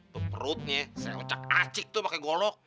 perutnya selcak acik tuh pakai golok